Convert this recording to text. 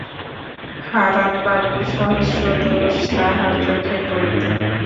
হারানবাবুর সহস্র দোষ তাঁহার চোখে পড়িত।